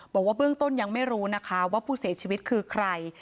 บอกว่าเบื้องต้นยังไม่รู้นะคะว่าผู้เสียชีวิตคือใคร